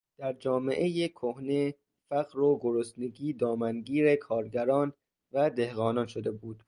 در جامعهٔ کهنه فقر و گرسنگی دامن گیر کارگران و دهقانان شده بود.